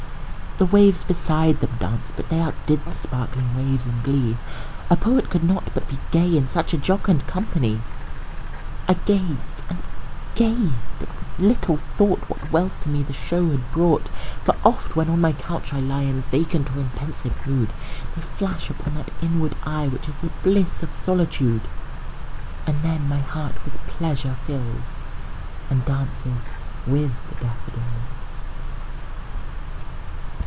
The waves beside them danced; but they Outdid the sparkling waves in glee; A poet could not but be gay, In such a jocund company; I gazed and gazed but little thought What wealth to me the show had brought: For oft, when on my couch I lie In vacant or in pensive mood, They flash upon that inward eye Which is the bliss of solitude; And then my heart with pleasure fills, And dances with the daffodils.